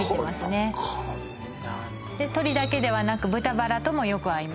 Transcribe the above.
このこんなんで鶏だけではなく豚バラともよく合います